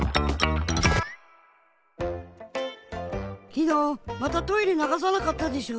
きのうまたトイレながさなかったでしょ。